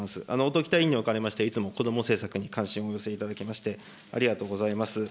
音喜多委員におかれまして、いつもこども政策に関心をお寄せいただきまして、ありがとうございます。